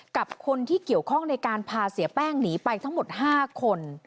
กับคนที่เกี่ยวข้องในการพาเสียแป้งหนีไปทั้งหมด๕คน